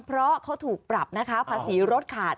เพราะเขาถูกปรับนะคะภาษีรถขาด